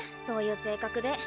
そういう性格で。